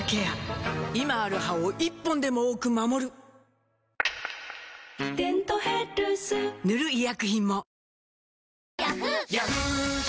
今ある歯を１本でも多く守る「デントヘルス」塗る医薬品も